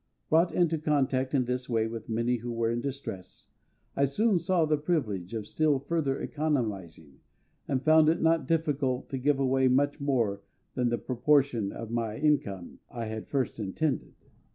Brought into contact in this way with many who were in distress, I soon saw the privilege of still further economising, and found it not difficult to give away much more than the proportion of my income I had at first intended.